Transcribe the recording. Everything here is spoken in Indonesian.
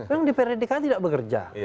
memang dprd dki tidak bekerja